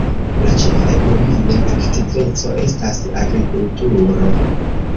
La ĉefa ekonomia aktiveco estas agrikulturo.